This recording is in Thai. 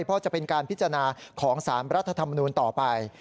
เพราะจะเป็นการพิจารณาของสารรัฐธรรมนูลต่อไป